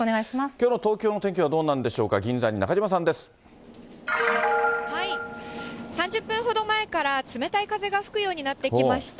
きょうの東京の天気はどうなんでしょうか、銀座に中島さんで３０分ほど前から、冷たい風が吹くようになってきました。